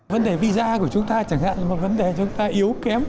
vấn đề visa của chúng ta chẳng hạn là một vấn đề chúng ta yếu kém